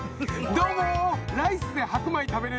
どうも！